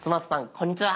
こんにちは。